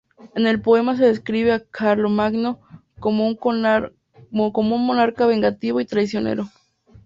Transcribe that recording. En el poema se describe a Carlomagno como un monarca vengativo y traicionero.